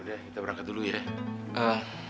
deh kita berangkat dulu ya